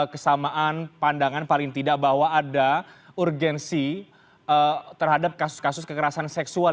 kesamaan pandangan paling tidak bahwa ada urgensi terhadap kasus kasus kekerasan seksual